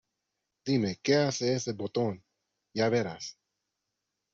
¿ Dime, qué hace ese botón? Ya verás.